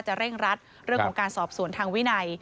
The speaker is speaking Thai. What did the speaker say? เร่งรัดเรื่องของการสอบสวนทางวินัย